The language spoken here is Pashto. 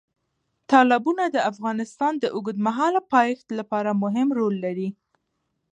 تالابونه د افغانستان د اوږدمهاله پایښت لپاره مهم رول لري.